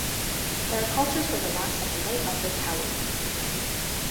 Their cultures were the last of the Late Upper Palaeolithic.